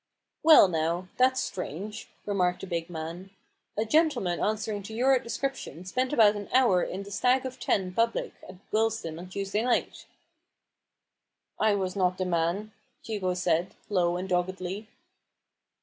"Well now, that's strange!" remarked the big man. "A gentleman answering to your description spent about an hour in the Stag of Ten public at Willesden on Tuesday night." l82 A BOOK OF BARGAINS. " I was not the man," Hugo said, low and doggedly.